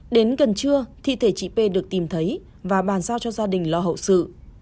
đến gần trưa thi thể chị p được tìm thấy và bàn giao cho gia đình lo hậu sự